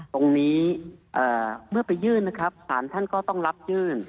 ตรงนี้เมื่อไปยื่นนะครับสารท่านก็ต้องรับยื่น